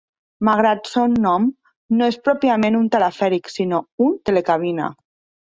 Malgrat son nom, no és pròpiament un telefèric, sinó un telecabina.